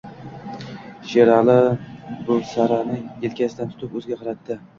Sherali Buvsarani elkasidan tutib o`ziga qaratdi